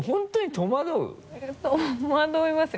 戸惑いますよ。